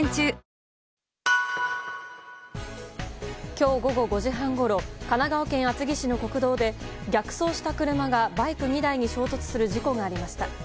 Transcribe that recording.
今日午後５時半ごろ神奈川県厚木市の国道で逆走した車がバイク２台に衝突する事故がありました。